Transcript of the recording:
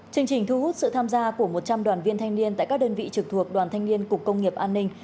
chương trình thu hút sự tham gia của một trăm linh đoàn viên thanh niên tại các đơn vị trực thuộc đoàn thanh niên cục công nghiệp an ninh